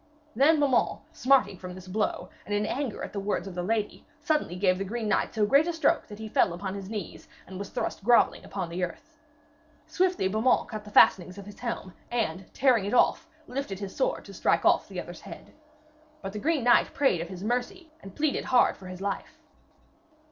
Then Beaumains, smarting with this blow, and in anger at the words of the lady, suddenly gave the green knight so great a stroke that he fell upon his knees, and then was thrust grovelling upon the earth. Swiftly Beaumains cut the fastenings of his helm, and, tearing it off, lifted his sword to strike off the other's head. But the green knight prayed of his mercy and pleaded hard for his life.